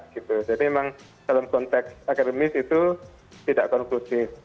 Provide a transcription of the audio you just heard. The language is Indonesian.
jadi memang dalam konteks akademis itu tidak konklusif